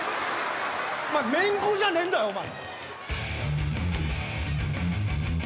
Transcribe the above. お前めんこじゃねえんだよお前。